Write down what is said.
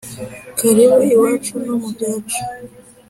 karibu iwacu no mu byacu